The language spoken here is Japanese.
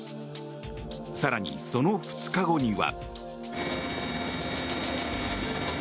更に、その２日後には。